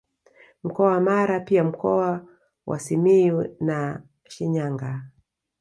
Mkoa wa Mara pia Mkoa wa Simiyu na Shinyanga